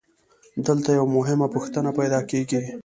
دلته یوه مهمه پوښتنه پیدا کېږي